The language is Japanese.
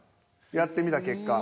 やってみた結果。